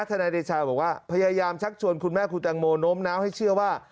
นายเดชาบอกว่าพยายามชักชวนคุณแม่คุณแตงโมโน้มน้าวให้เชื่อว่า